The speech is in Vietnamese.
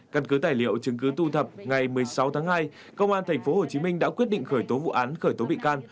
căn cứ tài liệu chứng cứ thu thập ngày một mươi sáu tháng hai công an tp hcm đã quyết định khởi tố vụ án khởi tố bị can